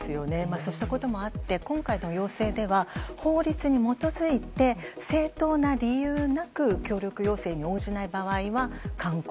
そうしたこともあって今回の要請では法律に基づいて正当な理由なく協力要請に応じない場合は勧告。